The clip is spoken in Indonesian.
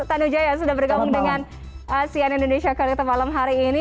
tanu jaya sudah bergabung dengan cian indonesia kolektor malam hari ini